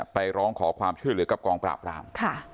ร้องขอความช่วยเหลือกับกองปราบราม